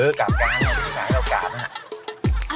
เออกล่าวกาวให้ดูขนาดนี้แล้วกล่าวนะฮะ